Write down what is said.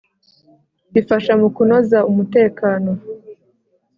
ifasha mu kunoza umutekano .